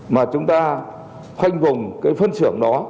mà chúng ta khoanh vùng cái phân xưởng đó